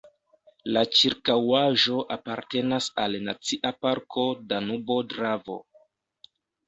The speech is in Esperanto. La ĉirkaŭaĵo apartenas al Nacia parko Danubo-Dravo.